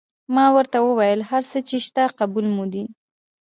ما ورته وویل: هر څه چې شته قبول مو دي.